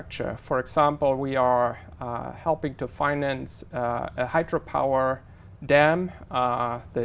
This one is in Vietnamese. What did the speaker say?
chúng ta có những công nghiệp đầu tư